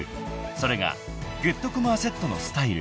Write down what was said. ［それがグッドコムアセットのスタイル］